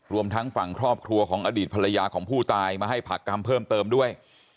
รวมทั้งฝั่งครอบครัวของอดีตภรรยาของผู้ตายมาให้ผักคำเพิ่มเติมด้วย